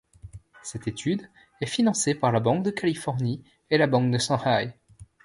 Cette étude est financée par la banque de Californie et la banque de Shanghai.